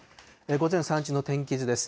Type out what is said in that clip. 午前３時の天気図です。